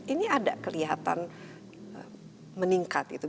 ini ada kelihatan meningkat itu